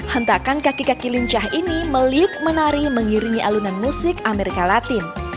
hentakan kaki kaki lincah ini meliuk menari mengiringi alunan musik amerika latin